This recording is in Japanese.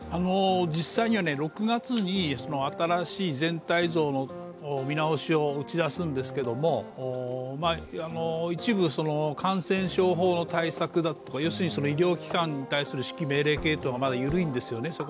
実際には６月に新しい全体像の見直しを打ち出すんですけれども、一部、感染症法の対策だとか医療機関に対する指揮命令系統がまだ緩いんですよね。